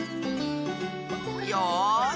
よし。